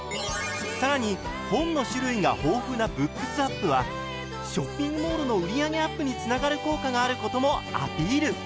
更に本の種類が豊富なＢｏｏｋｓｗａｐはショッピングモールの売り上げアップにつながる効果があることもアピール！